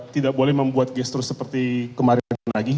tidak boleh membuat gestur seperti kemarin lagi